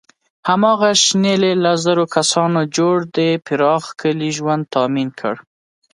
هماغه شنیلي له زرو کسانو جوړ د پراخ کلي ژوند تأمین کړ.